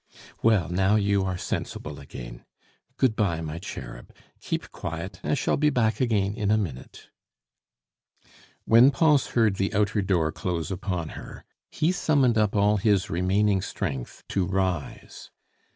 "Well, now you are sensible again.... Good bye, my cherub; keep quiet, I shall be back again in a minute." When Pons heard the outer door close upon her, he summoned up all his remaining strength to rise.